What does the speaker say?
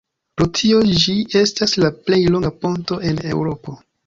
Pro tio ĝi estas la plej longa ponto en Eŭropo.